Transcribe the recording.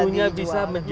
madunya bisa menjadi